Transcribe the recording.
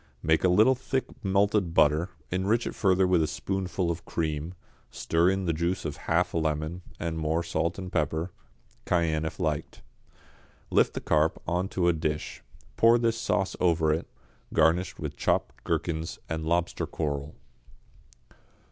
Make a little thick melted butter, enrich it further with a spoonful of cream, stir in the juice of half a lemon, and more salt and pepper cayenne if liked. Lift the carp on to a dish, pour this sauce over it, garnish with chopped gherkins and lobster coral.